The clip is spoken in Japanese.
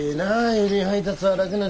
郵便配達は楽な仕事で。